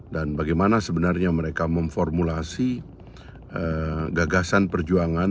dan bagaimana sebenarnya mereka memformulasi gagasan perjuangan